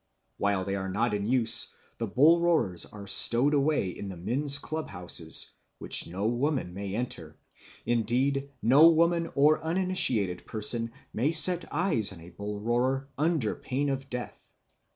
While they are not in use, the bull roarers are stowed away in the men's club houses, which no woman may enter; indeed no woman or uninitiated person may set eyes on a bull roarer under pain of death.